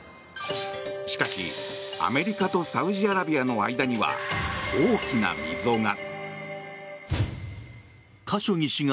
しかし、アメリカとサウジアラビアの間には大きな溝が。